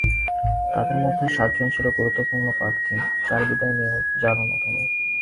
তাঁদের মধ্যে সাতজন ছিলেন গুরুত্বপূর্ণ প্রার্থী, চার বিদায়ী মেয়র যার অন্যতম।